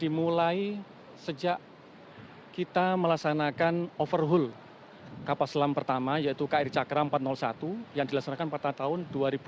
dimulai sejak kita melaksanakan overhaul kapal selam pertama yaitu kri cakra empat ratus satu yang dilaksanakan pada tahun dua ribu dua puluh